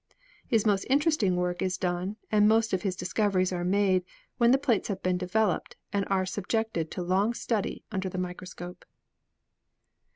His most interesting work is done, and most of his discoveries are made, when the plates have been developed and are sub jected to long study under the microscope."